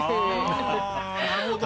あなるほど。